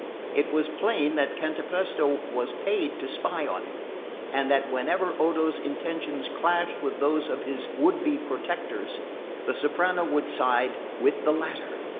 It was plain that Cantapresto was paid to spy on him, and that whenever Odo's intentions clashed with those of his would be protectors the soprano would side with the latter.